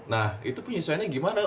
nah itu penyusahiannya gimana